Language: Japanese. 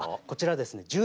こちらですね